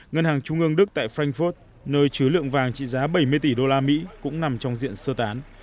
ngân hàng trung ương đức tại frankfurt nơi chứa lượng vàng trị giá bảy mươi tỷ usd cũng nằm trong diện sơ tán